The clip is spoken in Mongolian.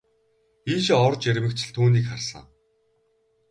Ийшээ орж ирмэгц л түүнийг харсан.